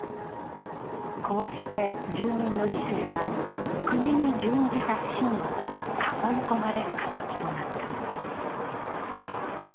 こうして住民の犠牲は国に殉じた死に囲い込まれる形となったのだ。